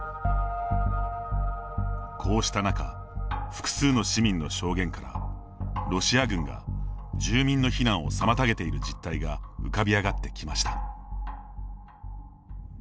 こうした中複数の市民の証言からロシア軍が住民の避難を妨げている実態が浮かび上がってきました。